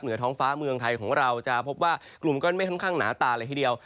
ท้องฟ้าเมืองไทยของเราจะพบว่ากลุ่มก้อนเมฆค่อนข้างหนาตาเลยทีเดียว